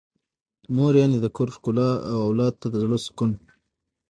مور يعنې د کور ښکلا او اولاد ته د زړه سکون.